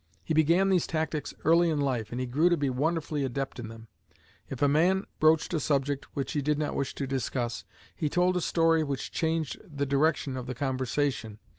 He began these tactics early in life, and he grew to be wonderfully adept in them. If a man broached a subject which he did not wish to discuss, he told a story which changed the direction of the conversation.